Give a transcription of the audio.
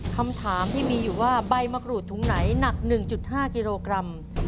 คำถามที่มีอยู่ว่าใบมะกรูดถุงไหนหนัก๑๕กิโลกรัม